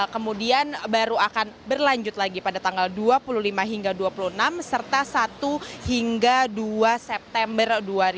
kemudian baru akan berlanjut lagi pada tanggal dua puluh lima hingga dua puluh enam serta satu hingga dua september dua ribu dua puluh